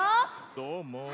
どーも。